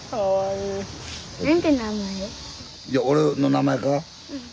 いや俺の名前か？